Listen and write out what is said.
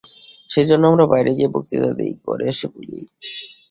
সেইজন্যে আমরা বাইরে গিয়ে বক্তৃতা দিই, ঘরে এসে ভুলি।